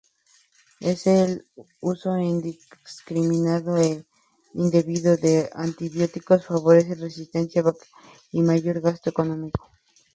El uso indiscriminado e indebido de antibióticos, favorece resistencia bacteriana y mayor gasto económico.